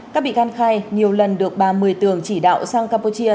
các bị can khai nhiều lần được ba mươi tường chỉ đạo sang campuchia